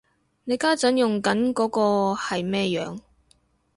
你家陣用緊嗰個係咩樣